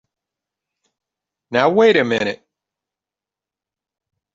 Now wait a minute!